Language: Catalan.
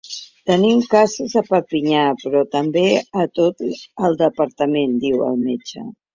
Tenim casos a Perpinyà, però també a tot el departament, diu el metge.